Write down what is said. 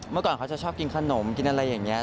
เมื่อก่อนเขาจะชอบกินขนมกินอะไรอย่างนี้